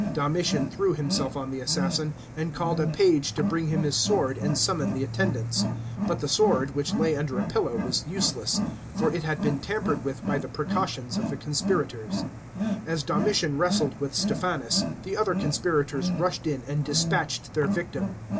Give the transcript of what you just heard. Domitian threw himself on the assassin, and called a page to bring him his s\vor»i and summon the attendants. But the sword, which lay under a pillow, was useless ; for it had been tampered with by the precautions of the conspirators. As Domitian wrestled with Stephanus, the other conspirators rushed in and dispatched their victim.